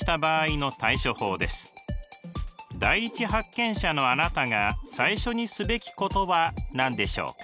第一発見者のあなたが最初にすべきことは何でしょうか？